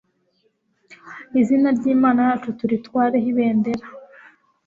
izina ry'imana yacu turitwareho ibendera